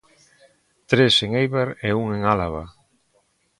Tres en Eibar e un en Álava.